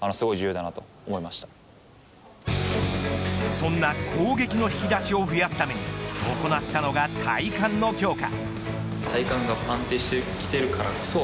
そんな攻撃の引き出しを増やすために行ったのが体幹の強化。